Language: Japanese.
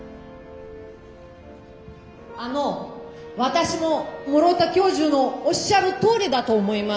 あの私も室田教授のおっしゃるとおりだと思います。